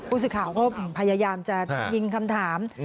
อุตสิทธิ์ข่าวก็พยายามจะทิ้งคำถาม